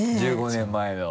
１５年前の。